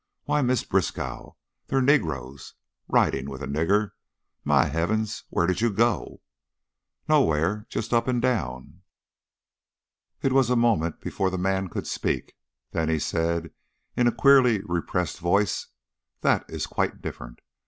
"Why, Miss Briskow, they're negroes! Riding with a nigger! My heavens! Where did you go?" "Nowhere. Just up and down." It was a moment before the man could speak, then he said, in a queerly repressed voice: "That is quite different.